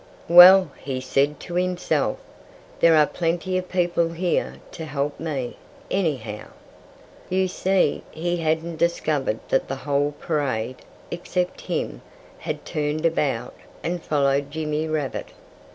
"Well!" he said to himself, "there are plenty of people here to help me, anyhow." You see, he hadn't discovered that the whole parade except him had turned about and followed Jimmy Rabbit.